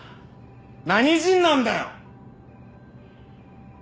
何人なんだよ！